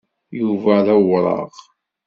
Yuba d awraɣ.